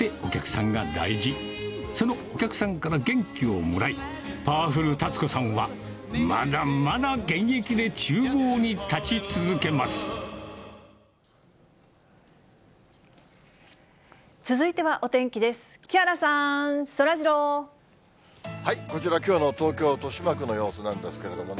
そのお客さんから元気をもらい、パワフルたつ子さんは、まだまだこちら、きょうの東京・豊島区の様子なんですけれどもね。